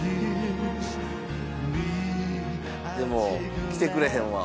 でも来てくれへんわ。